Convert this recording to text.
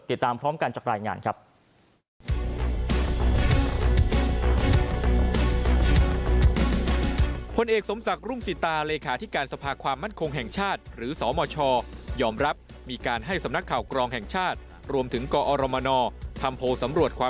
ติดตามพร้อมกันจากรายงานครับ